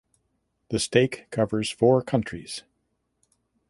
The stake covers four countries.